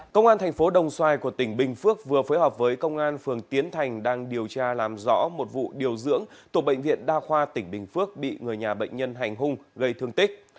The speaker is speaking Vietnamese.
công an thành phố đồng xoài của tỉnh bình phước vừa phối hợp với công an phường tiến thành đang điều tra làm rõ một vụ điều dưỡng tổ bệnh viện đa khoa tỉnh bình phước bị người nhà bệnh nhân hành hung gây thương tích